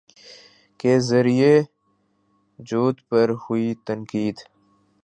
کے ذریعے خود پر ہوئی تنقید